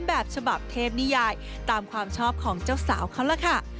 แบบฉบับเทพนิยายตามความชอบของเจ้าสาวเขาล่ะค่ะ